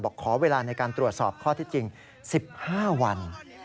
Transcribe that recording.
ขอเวลาในการตรวจสอบข้อที่จริง๑๕วัน